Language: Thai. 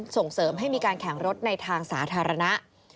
ส่งเสริมให้มีการแข่งรถในทางสาธารณะ